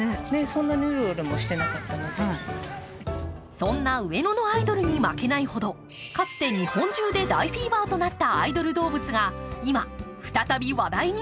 そんな上野のアイドルに負けないほど、かつて日本中で大フィーバーとなったアイドル動物が今、再び話題に。